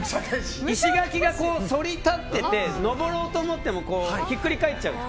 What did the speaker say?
石垣が反り立ってて登ろうと思ってもひっくり返っちゃう。